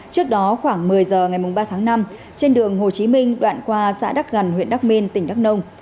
trước đó khoảng một mươi h ngày ba tháng năm trên đường hồ chí minh đoạn qua xã đắk gần huyện đắk minh tỉnh đắk nông